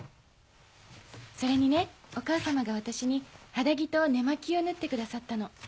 それにねお母様が私に肌着と寝間着を縫ってくださったの。